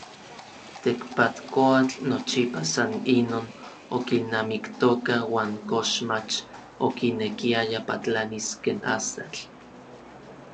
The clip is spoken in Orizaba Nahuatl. Tekpatkoatl nochipa san inon okilnamiktoka uan koxmach okinekiaya patlanis ken astatl.